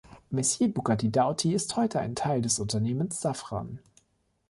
Messier-Bugatti-Dowty ist heute ein Teil des Unternehmens Safran.